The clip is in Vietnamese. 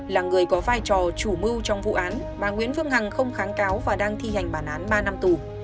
là người có vai trò chủ mưu trong vụ án bà nguyễn phương hằng không kháng cáo và đang thi hành bản án ba năm tù